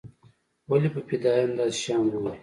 ولې په فدايانو داسې شيان ګوري.